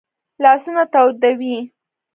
لاسونه تودې وي